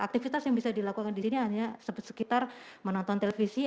aktivitas yang bisa dilakukan di sini hanya sekitar menonton televisi